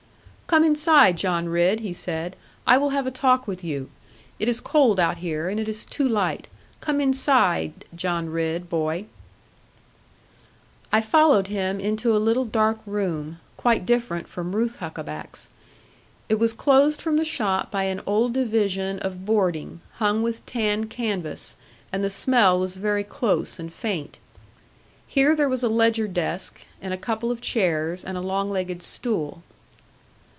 'Come inside, John Ridd,' he said; 'I will have a talk with you. It is cold out here; and it is too light. Come inside, John Ridd, boy.' I followed him into a little dark room, quite different from Ruth Huckaback's. It was closed from the shop by an old division of boarding, hung with tanned canvas; and the smell was very close and faint. Here there was a ledger desk, and a couple of chairs, and a long legged stool.